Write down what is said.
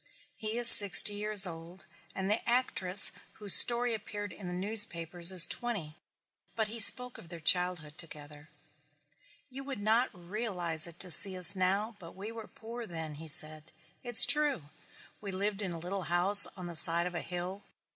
He is sixty years old and the actress whose story appeared in the newspapers is twenty, but he spoke of their childhood together. "You would not realize it to see us now but we were poor then," he said. "It's true. We lived in a little house on the side of a hill.